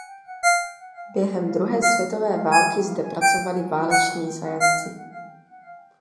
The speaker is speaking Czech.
Během druhé světové války zde pracovali váleční zajatci.